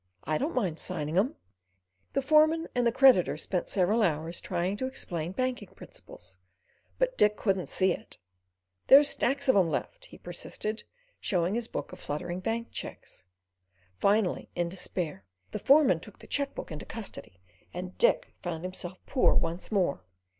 I don't mind signing 'em." The foreman and the creditor spent several hours trying to explain banking principles, but Dick "couldn't see it." "There's stacks of 'em left!" he persisted, showing his book of fluttering bank cheques. Finally, in despair, the foreman took the cheque book into custody, and Dick found himself poor once more.